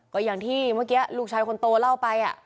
ก็อย่างที่เมื่อกี้ลูกชายคนโตเล่าไป